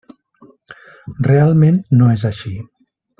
Realment no és així.